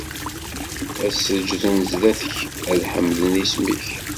Ad seǧǧden sdat-k, ad ḥemden isem-ik.